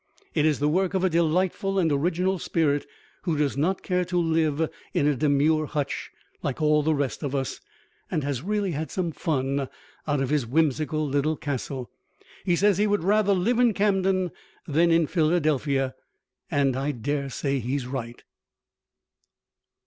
It is the work of a delightful and original spirit who does not care to live in a demure hutch like all the rest of us, and has really had some fun out of his whimsical little castle. He says he would rather live in Camden than in Philadelphia, and I daresay he's right.